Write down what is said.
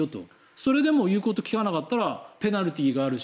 それでも言うことを聞かなかったらペナルティーがあるし